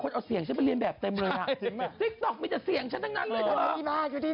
คนเอาเสียงฉันไปเรียนแบบฉันจะเกลียดอะไรยังไงบ้างเนี่ย